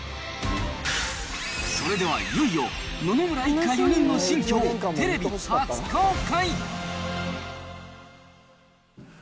それではいよいよ、野々村一家４人の新居をテレビ初公開。